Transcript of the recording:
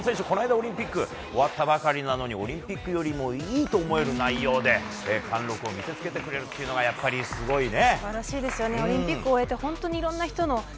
オリンピック終わったばかりなのにオリンピックよりもいいと思える内容で貫録を見せつけてくれるのがやっぱりすごいね。